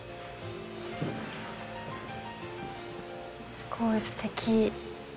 すごいすてき。